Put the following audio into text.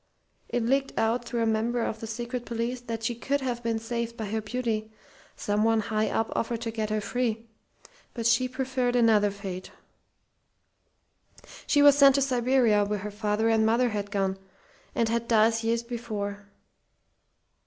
It leaked out through a member of the secret police that she could have been saved by her beauty someone high up offered to get her free. But she preferred another fate. "She was sent to Siberia where her father and mother had gone, and had died years before.